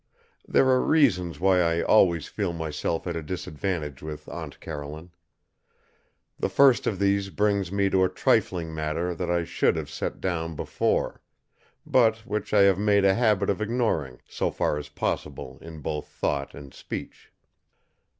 There are reasons why I always feel myself at a disadvantage with Aunt Caroline. The first of these brings me to a trifling matter that I should have set down before, but which I have made a habit of ignoring so far as possible in both thought and speech.